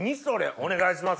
お願いします。